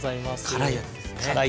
辛いやつです。